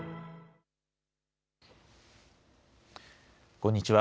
こんにちは。